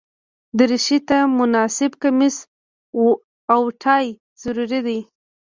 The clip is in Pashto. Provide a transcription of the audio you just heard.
دریشي ته مناسب کمیس او ټای ضروري دي.